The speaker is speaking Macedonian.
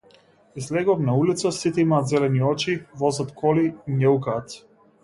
Излегувам на улица, сите имаат зелени очи, возат коли и мјаукаат.